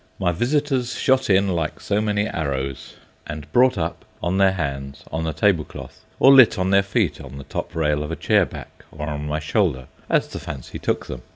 My visitors shot in like so many arrows, and "brought up" on their hands on the tablecloth, or lit on their feet on the top rail of a chair back or on my shoulder, as the fancy took them.